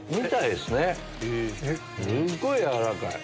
すっごい軟らかい！